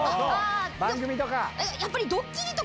番組とか。